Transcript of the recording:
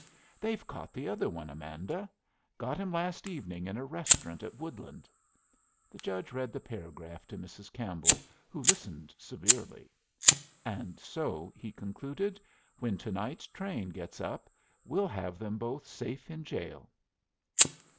"They've caught the other one, Amanda. Got him last evening in a restaurant at Woodland." The judge read the paragraph to Mrs. Campbell, who listened severely. "And so," he concluded, "when to night's train gets up, we'll have them both safe in jail."